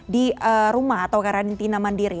di rumah atau karantina mandiri